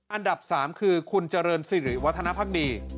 อันดับ๓คือคุณเจริญสิริวัฒนภักดี